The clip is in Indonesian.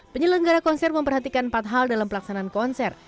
penyelenggara konser memperhatikan empat hal dalam pelaksanaan konser